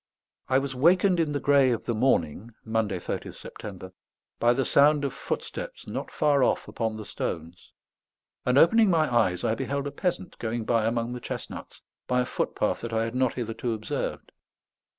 I was wakened in the grey of the morning (Monday, 30th September) by the sound of footsteps not far off upon the stones, and, opening my eyes, I beheld a peasant going by among the chestnuts by a footpath that I had not hitherto observed.